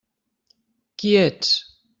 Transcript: Qui ets?